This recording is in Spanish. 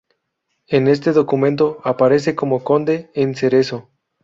En este documento aparece como conde en Cerezo.